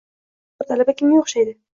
- Tankasi bor talaba kimga oʻxshaydi?